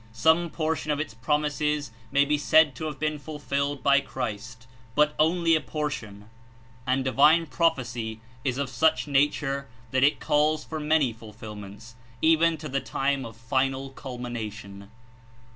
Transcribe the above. Some portion of its promises may be said to have been fulfilled by Christ, but only a portion, and divine prophecy Is of such nature that It calls for many fulfilments, even to the time of final culmination.